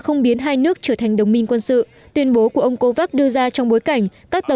không biến hai nước trở thành đồng minh quân sự tuyên bố của ông covax đưa ra trong bối cảnh các tờ